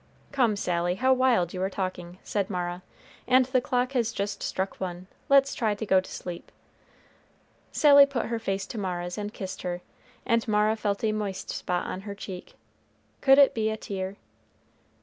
"Come, Sally, how wild you are talking," said Mara, "and the clock has just struck one; let's try to go to sleep." Sally put her face to Mara's and kissed her, and Mara felt a moist spot on her cheek, could it be a tear?